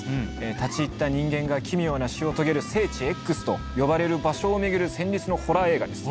立ち入った人間が奇妙な死を遂げる「聖地Ｘ」と呼ばれる場所を巡る戦慄のホラー映画です。